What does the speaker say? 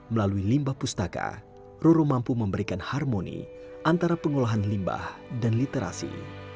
melalui limbah pustaka roro mampu memberikan harmoni antara pengolahan limbah dan literasi